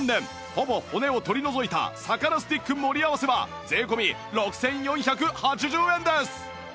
ほぼ骨を取り除いた魚スティック盛り合わせは税込６４８０円です！